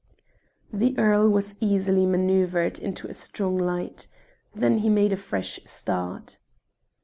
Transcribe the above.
The earl was easily manoeuvred into a strong light. Then he made a fresh start.